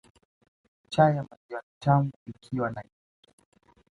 Chai ya maziwa ni tamu ikiwa na iliki